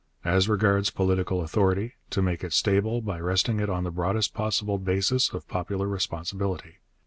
As regards political authority, to make it stable by resting it on the broadest possible basis of popular responsibility.